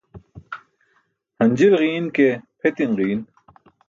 Hanjil ġiin ke pʰetin ġiin.